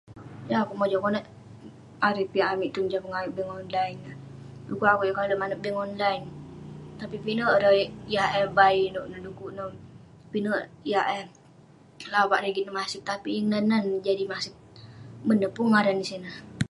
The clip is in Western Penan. Yeng akouk mojam konak erei piak amik tong joh pengayuk bank online. Dekuk akouk yeng kalek manouk bank online. Tapik pinek ireh yah eh bayie nouk neh dekuk neh pinek yah eh lavak rigit neh maseg. Tapik Yeng nan nan neh jadi maseg, men neh pun ngaran nah sineh.